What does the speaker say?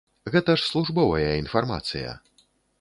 Гэта ж службовая інфармацыя.